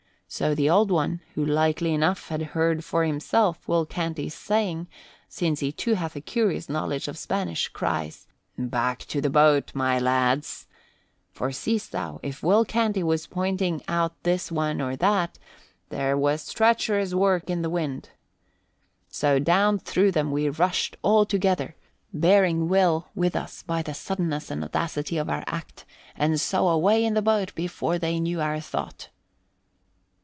So the Old One, who likely enough had heard for himself Will Canty's saying, since he too hath a curious knowledge of Spanish, cries, 'Back to the boat, my lads!' For seest thou, if Will Canty was pointing out this one or that, there was treacherous work in the wind. So down through them we rushed, all together, bearing Will with us by the suddenness and audacity of our act, and so away in a boat before they knew our thought."